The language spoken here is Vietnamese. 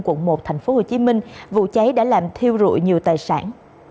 quận một tp hcm vụ cháy đã làm thiêu rụi nhiều tài sản